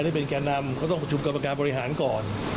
ที่เป็นแก่นำก็ต้องประชุมกรรมการบริหารก่อน